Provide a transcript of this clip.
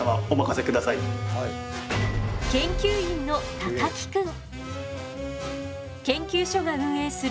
研究員の高木くん。